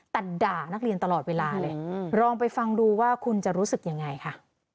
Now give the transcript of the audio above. แต่ด่านักเรียนตลอดเวลาเลยลองไปฟังดูว่าคุณจะรู้สึกยังไงค่ะ